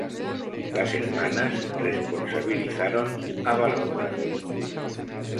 Las hermanas responsabilizaron a Barbora.